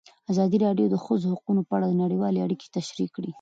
ازادي راډیو د د ښځو حقونه په اړه نړیوالې اړیکې تشریح کړي.